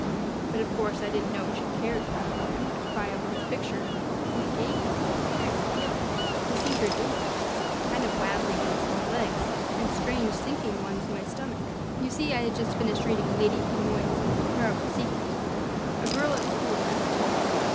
But, of course, I didn't know she cared enough for him to cry over his picture, and it gave me the queerest feelings to see her do it kind of wabbly ones in my legs, and strange, sinking ones in my stomach. You see, I had just finished reading Lady Hermione's Terrible Secret. A girl at school lent it to me.